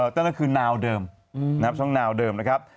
นั่นคือนาวเดิมนะครับช่องนาวเดิมนะครับ